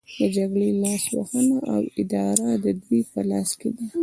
د جګړې لارښوونه او اداره د دوی په لاس کې ده